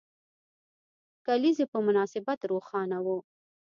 کلیزې په مناسبت روښانه وو.